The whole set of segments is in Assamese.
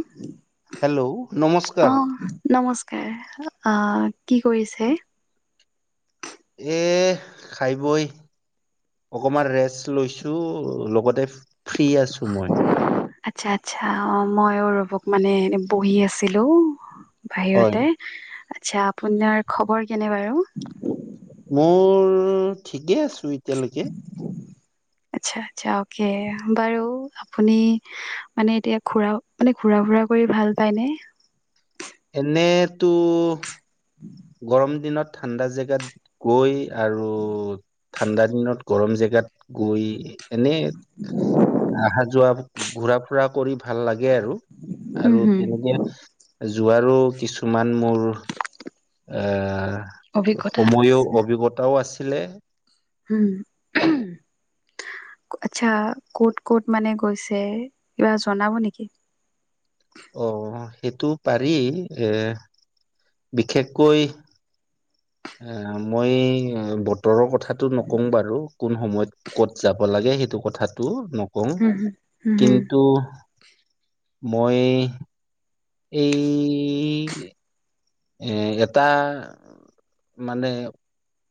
উ [unintelligible] হেল্ল' অ নমস্কাৰ নমস্কাৰ আহ কি কৰিছে এ খাই বই অকমান ৰেষ্ট লৈছো লগতে ফ্ৰী আছো মই আচ্ছা আচ্ছা অ মইও ৰবক মানে এনে বহি আছিলো হয় বাহিৰতে আচ্ছা আপোনাৰ খবৰ কেনে বাৰু মোৰ ঠিকে আছো এতিয়ালৈকে কি আচ্ছা আচ্ছা অ'কে বাৰু আপুনি মানে এতিয়া ঘূৰা মান ভাল পায় ন এনে তো গৰম দিনত ঠাণ্ডা জেগাত গৈ আৰু ঠাণ্ডা দিনত গৰম জেগাত জাত গৈ এনে অহা যোৱা ঘুৰা ফুৰা কৰি ভাল লাগে লাগে আৰু হুম আৰু হুম তেনেকে যোৱাৰো কিছুমান মোৰ এ অভিজ্ঞতা সময়ো অভিজ্ঞতাও আছিলে উম [unintelligible] আচ্ছা ক'ত ক'ত মানে গৈছে কিবা জনাব নেকি [unintelligible] [inaudible] অ সেইটো পাৰি এ বিশেষকৈ এ মই বতৰৰ কথাটো নকং বাৰু কোন সময়ত কত যাব লাগে সেইটো কথাটো নকওঁ হুম হুম হুম কিন্তু মই এই এ এটা মানে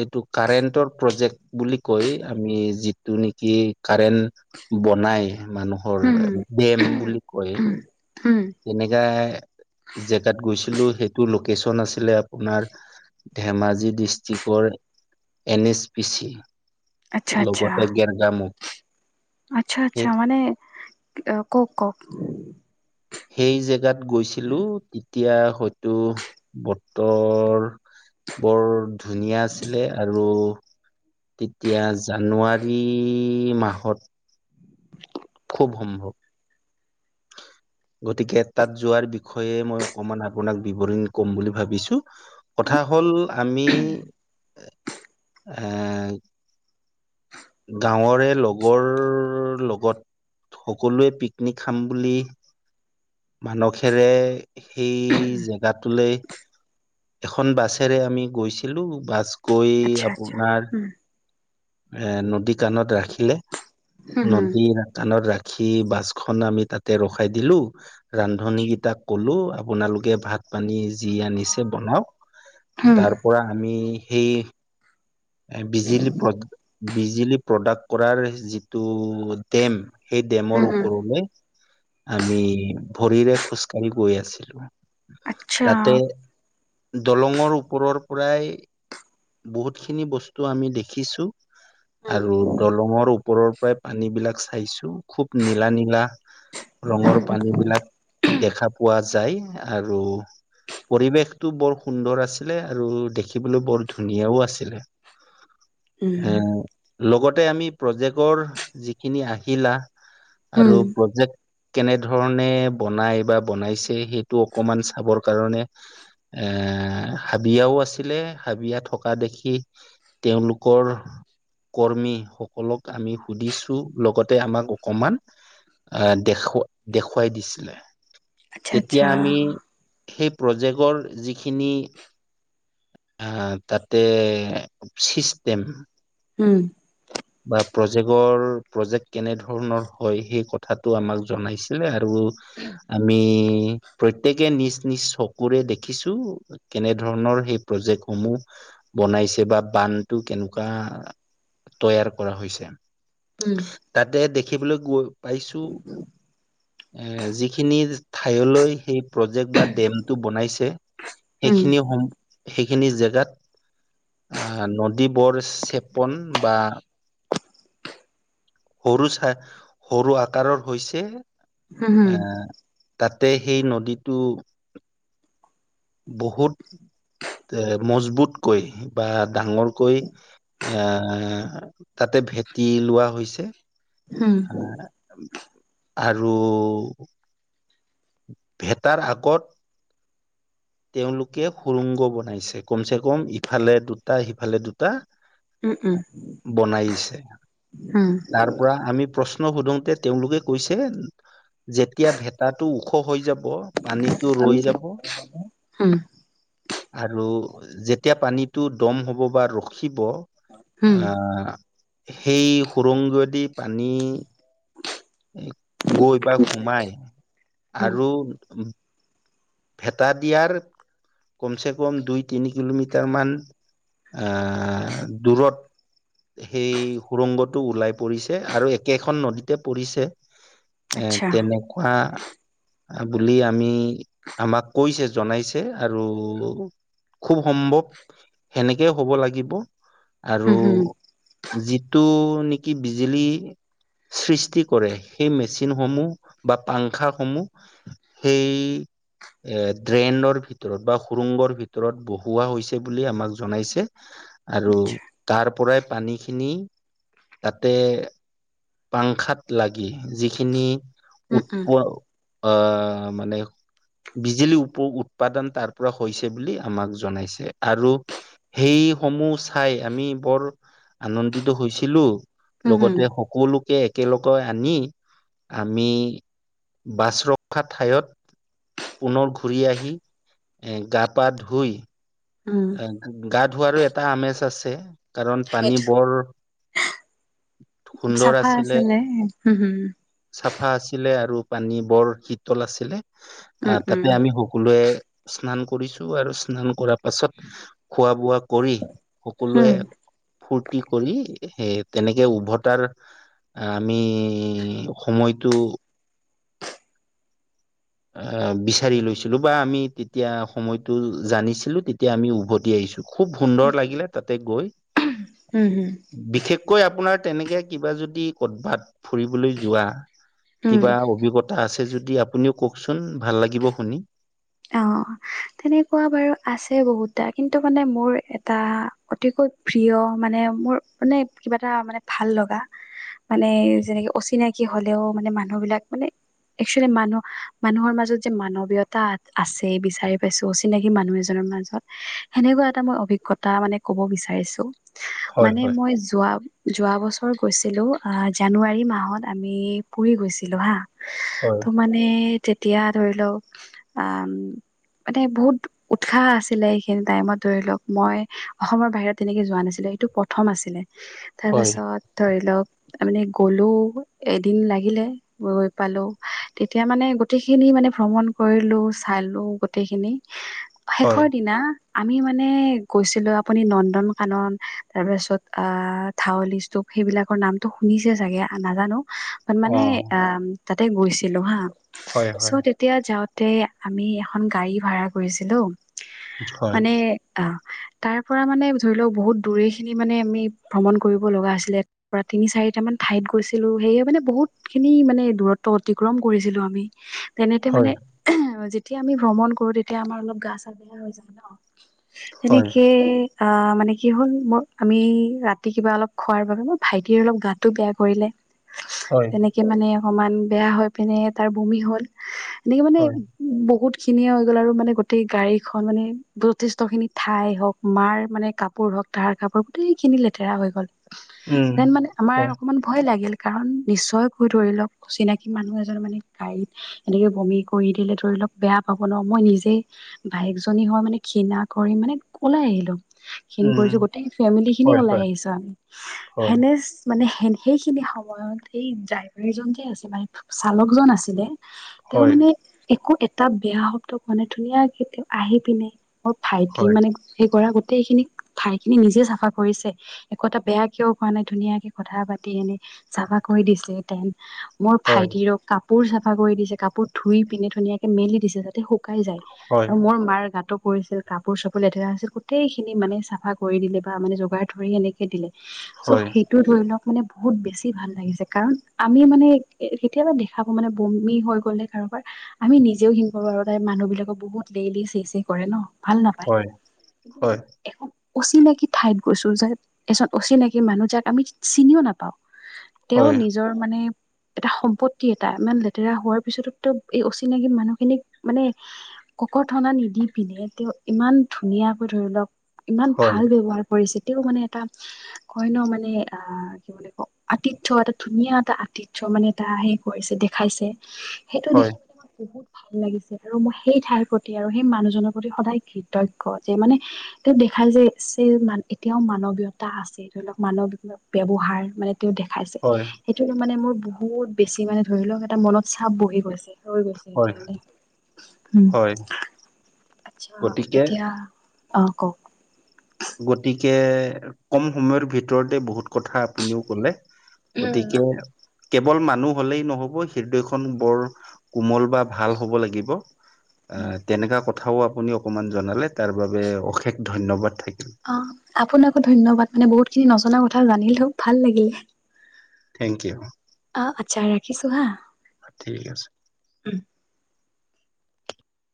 এইটো কাৰেণ্টৰ প্ৰজেক্ট বুলি কৈ আমি যিটো নিকি কাৰেণ্ট বনায় মানুহৰ হুম হুম বেম হুম বুলি কয় হুম হুম তেনেকাই জেগাত গৈছিলো সেইটো লকেচন আছিলে আপোনাৰ ধেমাজি ডিষ্ট্ৰিকৰ এন এছ পি চি আচ্ছা আচ্ছা লগতে গেমগামো আচ্ছা আচ্ছা মানে কওক কওক সেই জেগাত গৈছিলো তেতিয়া হয়তো বতৰ [unintelligible] বৰ ধুনীয়া আছিলে আৰু তেতিয়া জানুৱাৰী মাহত ভম্ভ গতিকে তাত যোৱাৰ বিষয়ে মই অকমান আপোনাক বিৱৰিণ কম বুলি ভাবিছো কথা হ'ল আমি এ গাঁৱৰে লগৰ লগত সকলোৱে পিকনিক খাম বুলি মানসেৰে সেই জেগাটোলে এখন বাছেৰে আমি গৈছিলো বাছ গৈ আচ্ছা আচ্ছা আপোনাৰ উম এ নদী কাণত ৰাখিলে হুম নদী কাণত ৰাখি সি বাছখন আমি তাতে ৰখাই দিলো ৰান্ধনী কেইটাক কলো আপোনালোকে ভাত পানী যি আনিছে বনাওক হুম তাৰ পৰা আমি সেইয় বিজুলী প্ৰ বিজুলী প্ৰডাক্ট কৰাৰ যিটো ডেম সেই হুম ডেমৰ হুম হুম ওপৰলৈ আমি ভৰিৰে খোজকাঢ়ি গৈ আছিলোঁ। আচ্ছা তাতে দলঙৰ ওপৰৰ পৰাই বহুত খিনি বস্তু আমি দেখিছোঁ আৰু দলঙৰ ওপৰৰ পৰাই পানী বিলাক চাইছোঁ খুব নীলা নীলা ৰঙৰ পানী বিলাক দেখা পোৱা যায়, আৰু পৰিৱেশটো বৰ সুন্দৰ আছিলে আৰু দেখিবলে বৰ ধুনীয়াও আছিলে হে লগতে আমি প্ৰজেক্টৰ যিখিনি আহিলা উম আৰু উম প্ৰজেক্ট কেনেধৰণে বনাই বা বনাইছে সেইটো অকমান চাবৰ কাৰণে এ এ হাবিয়াও আছিলে হাবিয়া থকা দেখি তেওঁলোকৰ কৰ্মী সকলক আমি সুধিছোঁ লগতে আমাক অকণমান আহ দেখুৱা দেখুৱাই দিছিলে। আচ্ছা তেতিয়া আচ্ছা! আমি সেই প্ৰজেক্টৰ যিখিনি আহ তাতে চিষ্টেম উঁম বা প্ৰজেক্টৰ প্ৰজেক্ট কেনে ধৰণৰ হয়, সেই কথাটো আমাক জনাইছিলে আৰু অ আমি প্ৰত্যেকে নিজ নিজ চকুৰে দেখিছোঁ কেনে ধৰণৰ সেই প্ৰজেক্ট সমূহ বনাইছে বা বানটো কেনেকুৱা তৈয়াৰ কৰা হৈছে, উম তাতে দেখিবলৈ গৈ পাইছোঁ এ যিখিনি ঠাইলৈ সেই প্ৰজেক্ট বা ডেমটো বনাইছে উম সেইখিনি সম সেই খিনি জেগাত নদী বৰ চেপন বা সৰু চাই সৰু আকাৰৰ হৈছে। হঁম এ হঁম। তাতে সেই নদীটো বহুত এ মজবুতকৈ বা ডাঙৰকৈ এ তাতে ভেটি লোৱা হৈছে। হুম হ আৰু ভেটাৰ আগত [inaudible] তেওঁলোকে সুুৰংগ বনাইছে কম চে কম ইফালে দুটা সিফালে দুটা। উম উম বনাইছে হুম তাৰ পৰা আমি প্ৰশ্ন সোধোতে তেওঁলোকে কৈছে যেতিয়া ভেতাটো ওখঁ হৈ যাব পানীতটো ৰৈ যাব। হুম আৰু যেতিয়া পানীটো দম হ'ব বা ৰখিব হুম আহ সেই সুৰংগয়েদি পানী গৈ বা সোমাই হুম আৰু ভেটা দিয়াৰ কমচে কম দুই তিনি কিলোমিটাৰ মান আহ দূৰত সেই সুৰংগটো ওলাই পৰিছে আৰু একেখন নদীতে পৰিছে। এ আচ্ছা তেনেকুৱা বুলি আমি আমাক কৈছে জনাইছে আৰু খুব সম্ভৱ সেনেকেই হ'ব লাগিব আৰু হুম হুম যিটো নেকি বিজুলী সৃষ্টি কৰে সেই মেচিনসমূহ বা পাংখা সমূহ সেই এ ড্ৰেন্ডৰ ভিতৰত বা সুুৰংগৰ ভিতৰত বহুৱোৱা হৈছে বুলি আমাক জনাইছে। আৰু তাৰ পৰাই পানী খিনি তাতে পাংখাত লাগি যিখিনি উম উম উৎপোৱা অ মানে বিজুলী উপ উৎপাদন তাৰ পৰা হৈছে বুলি আমাক জনাইছে আৰু সেই সমূহ চাই আমি বৰ আনন্দিত হৈছিলো উম হুম লগতে লোকে একেলকৈ আনি আমি বাছ ৰখা ঠাইয়ত পুনৰ ঘূৰি আহি এ গা পা ধুই উম গা ধোৱাৰো এটা আমেজ আছে কাৰণ পানী সেইটো বৰ সুন্দৰ চাফা আছিলে উম হুম চাফা আছিলে আৰু, পান বৰ শীতল আছিলে উম উম তাতে আমি সকলোৱে স্নান কৰিছো আৰু স্নান কৰা পাছত খোৱা বোৱা কৰি হুম সকলোৱে ফূৰ্তি কৰি সেই তেনেকে উভতাৰ আমি সময়টো অ বিচাৰি লৈছিলো বা আমি তেতিয়া সময়টো জানিছিলো তেতিয়া আমি উভতি আহছিলো। খুব সুন্দৰ লাগিলে তাতে গৈ উম হুম বিশেষকৈ আপোনাৰ তেনেকে কিবা যদি কদবাত ফুৰিবলৈ যোৱা উম কিবা অভিজ্ঞতা আছে য যদি আপুনিও কওকচোন ভাল লাগিব শুনি অ তেনেকুৱা বাৰু আছে বহুত টা কিন্তু মানে মোৰ এটা অতিকৈ প্ৰিয় মানে মোৰ মানে কিবা এটা মানে ভাল লগা মানে যেনেকে অচিনাকি হলেও মানে মানুহবিলাক মানে একচুৱেলী মানুহ মানুহৰ মাজত যে মানৱীয়তা আছেই বিচাৰি পাইছোঁ অচিনাকি মানুহ এজনৰ মাজত সেনেকুৱা এটা মই অভিজ্ঞতা মানে ক'ব বিচাৰিছোঁ হয় মানে হয় মই যোৱা যোৱা বছৰ গৈছিলো জানুৱাৰী মাহত আমি পুৰি গৈছিলো হা হয় ত' মানে তেতিয়া ধৰি লওক আ মানে বহুত উৎসাহ আছিলে এইখিনি টাইমত ধৰি লওক মই অসমৰ বাহিৰত তেনেকে যোৱা নাছিল এইটো প্ৰথম আছিলে হয় তাৰপাছত ধৰি লওক তা মানে গলে এদিন লাগিলে গৈ পালো তেতিয়া মানে গোটেইখিনি মানে ভ্ৰমণ কৰিলো চালো গোটেইখিনি হয় শেষৰ দিনা আমি মানে গৈছিলো আপুনি নন্দন কানন তাৰপিছত আ থউলি স্তূপ সেইবিলাকৰ নামটো শুনিছে চাগে নাজানো মানে অ তাতে গৈছিলো হা হয় হয় চ' তেতিয়া যাওঁ তে আমি এখন গাড়ী ভাড়া কৰিছিলো হয় মানে অ তাৰ পৰা মানে ধৰি লওক বহুত দূৰে খিনি মানে আমি ভ্ৰমণ কৰিব লগা আছিলে পৰা তিনি চাৰি কেইটামান ঠাইত গৈছিলো সেয়ে মানে বহুত খিনি মানে দূৰত্ব অতিক্ৰম কৰিছিলো আমি। তেনেতে হয় মানে যেতিয়া আমি ভ্ৰমণ কৰো তেতিয়া আমাৰ অলপ গা চা বেয়া হৈ যায় ন হয় এনেকে আহ মানে কি হ'ল মোৰ আমি ৰাতি কিবা অলপ খোৱাৰ বাবে মোৰ ভাইটিৰ অলপ গাতটো বেয়া কৰিলে। হয় তেনেকে মানে অকমান বেয়া হৈ পিনে তাৰ বমি হল এনেকে মানে হয় বহুত খিনিয়ে হৈ গ'ল আৰু মানে গোটেই গাড়ী খন মানে যথেষ্ট খিনি ঠাই হওক মাৰ মানে কাপোৰ হওক তাহাৰ কাপোৰ গোটেই খিনি লেতেৰা হৈ গ'ল উম দেন মানে আমাৰ হয় অকমান ভয় লাগিল কাৰণ নিশ্চয় কৈ ধৰি লওক চিনাকি মানুহ এজন মানে গাড়ীত এনেকে বমি কৰি দিলে ধৰি লওক বেয়া পাব ন, মই নিজেই বায়েকজনী হয় মানে ঘৃণা কৰি মানে উলাই আহিলোঁ। ঘিণ উম কৰিছো গোটেই ফেমিলি খিনি ওলাই আহিছো আমি সেনেচ মানে সেইখিনি সময়ত এই ড্ৰাইভাৰীজন যে আছিল মানে চালকজন আছিলে তেওঁ মানে একো এটা বেয়া শব্দ কোৱা নাই ধুনীয়াকে তেওঁ আহি পিনে অ ভাইটি মানে সেই কৰা গোটেইখিনি ঠাইখিনি নিজে চাফা কৰিছে একো এটা বেয়া কিয় পোৱা নাই ধুনীয়াকে কথা পাতি এনে। চাফা কৰি দিয়ে। মোৰ ভাইটিৰক কাপোৰ চাফা কৰি দিছে কাপোৰ ধুই পিনে ধুনীয়াকে মেলি দিছে যাতে। শুকাই যায় আৰু মোৰ মাৰ গাতটো। কৰিছিল কাপোৰ চাপোৰ লেতেৰা আছিল গোটেইখিনি মানে চাফা কৰি দিলে বা মানে জগাই ধৰি সনেকে দিলে। চ' সেইটো ধৰি লওক মানে বহুত বেছি ভাল লাগিছে কাৰণ আমি মানে কেতিয়াবা দেখা প মানে বমি হৈ গ'লে কাৰোবাৰ আমি নিজেও সিং কৰাৰ আৰু তাই মানুহ বিলাকক বহুত লেই ল চে চে কৰে ন ভাল নাপায় এ অচিনাকি ঠাইত গৈছো য এজন অচিনাকি মানুহ যাক আমি চিনিও নাপাওঁ তেওঁ নিজৰ মানে এটা সম্পত্তি এটা ইমান লেতেৰা হোৱাৰ পিছতো এই অচিনাকি মানুহ খিনিক মানে কক থনা নিদি পিনে তেওঁ ইমান ধুনীয়া ধুনাকৈ ধৰি লওক ইমান ভাল ব্যৱহাৰ কৰিছিল এতিয়াও মানে এটা কই ন মানে আহ কি বুলি ক আতিথ্য এটা ধুনীয়া এটা আতিথ্য [unintelligible] মানে এটা হে কৰিছে দেখাইছে সেইটো দেখি মে মই বহুত ভাল লাগিছে আৰু মই সেই ঠাইৰ প্ৰতি আৰু সেই মানুহজনৰ প্ৰতি সদায় কৃতজ্ঞ যে মানে তেওঁ খাল যে এতিয়াও মানৱীয়তা আছে ধৰি লওক মানৱ ব্যৱহাৰ মানে তেওঁ দেখাইছে সেইটো মানে মোৰ বহুত বেছি মানে ধৰি লওক এটা মনত চাপ বহি গৈছে হৈ গৈছে এতিয়াহলে উম আচছা গতিকে এতিয়া অ কওক গতিকে কম সময়ৰ ভিতৰতে বহুত কথা আপুনিও কলে গতিকে কেৱল মানুহ হলেই নহব হৃদয়খন বৰ কোমল বা ভাল হব লাগিব অ উম তেনেকা কথাও আপুনি অকমান জনালে তাৰ বাবে অশেষ ধন্যবাদ থাক অ আপোনাকো ধন্যবাদ মানে বহুত খিনি নজনা কথা জানিল থক ভাল লাগিলে। Thank you. অ আচ্ছা ৰাখিছো হা। ঠিক আছে।